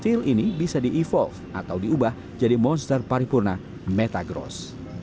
steel ini bisa di evolve atau diubah jadi monster paripurna metagross